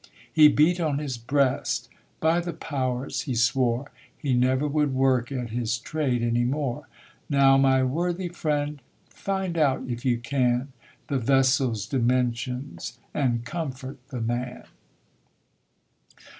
He beat on his breast, "By the Powers !" he swore He never would work at his trade any more ! Now, my worthy friend, find out, if you can, The vessel's dimensions and comfort the man.